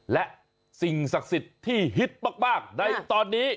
และสิ่งศักดิ์สิทธิ์ที่ฮิตมากในตอนนี้